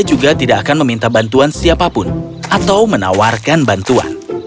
juga tidak akan meminta bantuan siapapun atau menawarkan bantuan